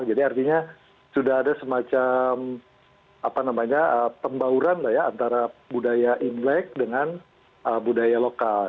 jadi artinya sudah ada semacam apa namanya pembauran ya antara budaya imlek dengan budaya lokal